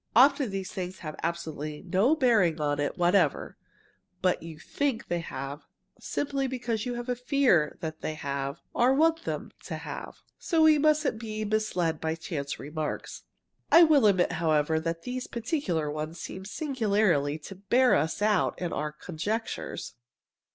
Often these things have absolutely no bearing on it whatever, but you think they have, simply because you fear that they have or want them to have. So we mustn't be misled by chance remarks. I will admit, however, that these particular ones seem singularly to bear us out in our conjectures."